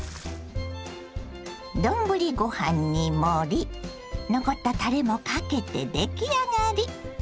丼ご飯に盛り残ったたれもかけて出来上がり。